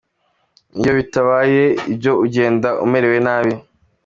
Iyo bitabaye ibyo ugenda umerewe nabi.